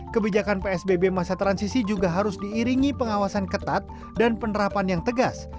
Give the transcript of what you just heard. kebijakan psbb masa transisi juga harus diiringi pengawasan ketat dan penerapan yang tegas